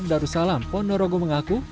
pemdara darussalam pondorogo mengaku